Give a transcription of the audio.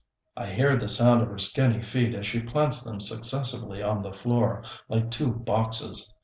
I hear the sound of her skinny feet as she plants them successively on the floor, like two boxes.